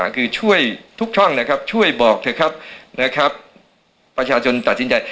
คือช่วยทุกช่องนะครับช่วยบอกเถอะครับนะครับประชาชนตัดสินใจ